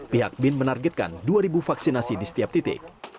pihak bin menargetkan dua vaksinasi di setiap titik